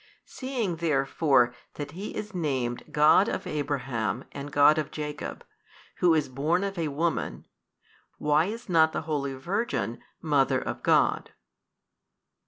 Seeing therefore that He is named God of Abraham and God of Jacob, Who is born of a woman, why is not the holy Virgin Mother of God?